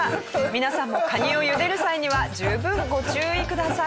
皆さんもカニを茹でる際には十分ご注意ください。